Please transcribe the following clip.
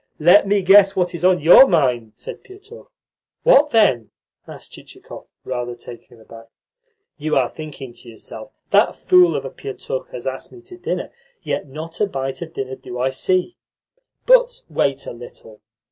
"Let me guess what is in your mind," said Pietukh. "What, then?" asked Chichikov, rather taken aback. "You are thinking to yourself: 'That fool of a Pietukh has asked me to dinner, yet not a bite of dinner do I see.' But wait a little.